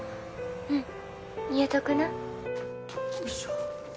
うん言うとくな。